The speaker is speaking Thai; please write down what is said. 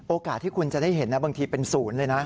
โอกาสที่คุณจะได้เห็นนะบางทีเป็นศูนย์เลยนะ